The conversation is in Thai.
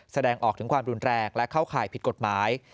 แสดงออกถึงความรุนแรงและเข้าข่ายผิดกฎหมาย